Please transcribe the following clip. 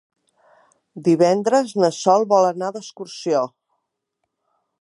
Divendres na Sol vol anar d'excursió.